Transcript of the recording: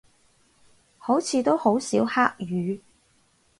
好似都好少黑雨